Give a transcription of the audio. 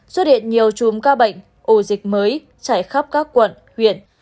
xuất hiện nhiều chùm ca bệnh ổ dịch mới chảy khắp các quận huyện